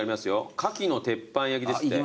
牡蠣の鉄板焼きですって。